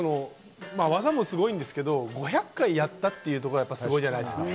技もすごいんですけれども、５００回やったというがすごいじゃないですか。